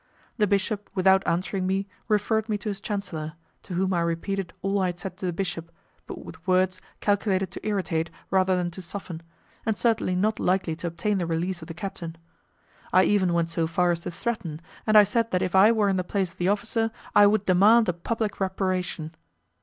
The bishop without answering me referred me to his chancellor, to whom I repeated all I had said to the bishop, but with words calculated to irritate rather than to soften, and certainly not likely to obtain the release of the captain. I even went so far as to threaten, and I said that if I were in the place of the officer I would demand a public reparation.